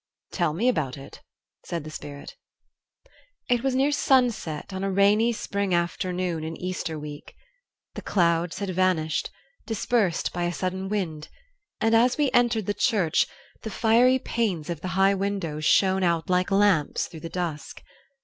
"Tell me about it," said the Spirit. "It was near sunset on a rainy spring afternoon in Easter week. The clouds had vanished, dispersed by a sudden wind, and as we entered the church the fiery panes of the high windows shone out like lamps through the dusk.